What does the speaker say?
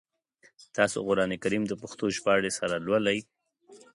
تاسو قرآن کریم د پښتو ژباړي سره لولی ؟